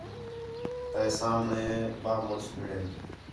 تے سامھݨے ٻَہہ مُݨس بِھڑین